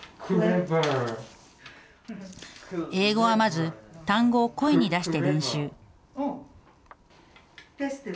英語はまず、単語を声に出して練習。